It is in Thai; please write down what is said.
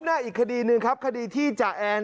อีกคดีหนึ่งครับคดีที่จ่าแอน